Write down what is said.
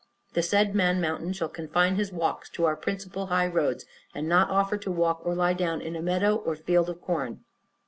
The said Man Mountain shall confine his walks to our principal high roads, and not offer to walk or lie down in a meadow or field of corn.